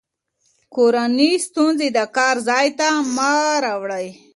کورني ستونزې د کار ځای ته مه راوړئ.